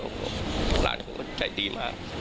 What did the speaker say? หลานของผมใจดีมาก